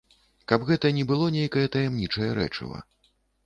Каб гэта не было нейкае таямнічае рэчыва.